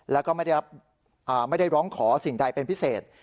แล้วก็ไม่ได้ร้องขอสิ่งใดเป็นพิเศษ